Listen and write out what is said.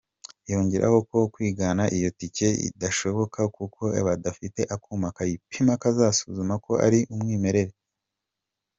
Yongeraho ko kwigana iyo tike bidashoboka kuko bafite akuma kayipima kagasuzuma ko ari umwimerere.